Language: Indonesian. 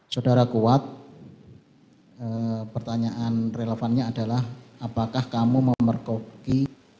saudara kuat pertanyaan relevannya adalah apakah kamu memerkopi